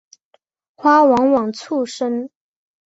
花往往簇生。